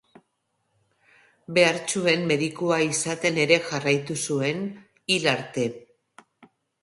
Behartsuen medikua izaten ere jarraitu zuen, hil arte.